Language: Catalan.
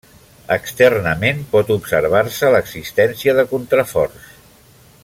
Externament pot observar-se l'existència de contraforts.